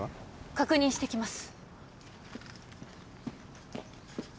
確認してきます